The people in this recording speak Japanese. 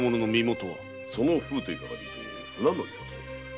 その身なりから見て船乗りかと。